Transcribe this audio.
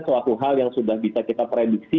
suatu hal yang sudah bisa kita prediksi